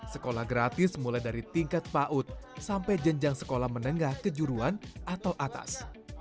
sekolah gratis mulai dari tingkat paut sampai jenjang sekolah menengah kejuruan atau atas